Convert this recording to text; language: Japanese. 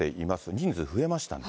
人数増えましたね。